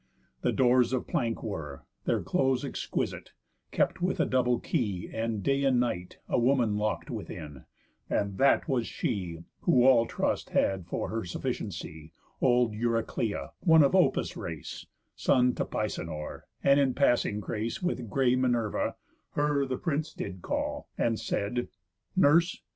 The doors of plank were, their close exquisite, Kept with a double key, and day and night A woman lock'd within; and that was she Who all trust had for her sufficiency, Old Euryclea, one of Opis' race, Son to Pisenor, and in passing grace With grey Minerva; her the prince did call, And said: "Nurse!